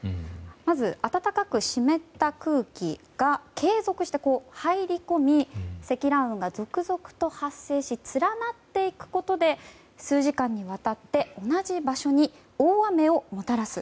まず、暖かく湿った空気が継続して入り込み積乱雲が続々と発生し連なっていくことで数時間にわたって同じ場所に大雨をもたらす。